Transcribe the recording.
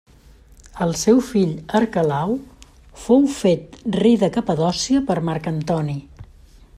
El seu fill Arquelau fou fet rei de Capadòcia per Marc Antoni.